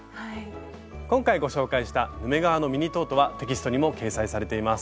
今回ご紹介した「ヌメ革のミニトート」はテキストにも掲載されています。